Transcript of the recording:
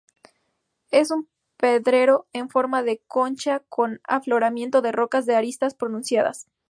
Es un pedrero en forma de concha con afloramiento de rocas de aristas pronunciadas.